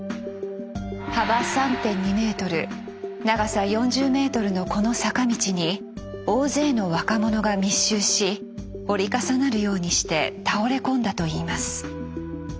幅３．２ｍ長さ４０ｍのこの坂道に大勢の若者が密集し折り重なるようにして倒れ込んだといいます。